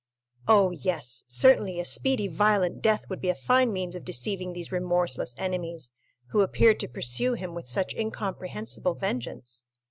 Oh, yes; certainly a speedy, violent death would be a fine means of deceiving these remorseless enemies, who appeared to pursue him with such incomprehensible vengeance.